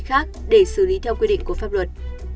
khác để xử lý theo quy định của pháp luật